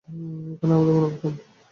এ কারণে আমাদের মুনাফা কম।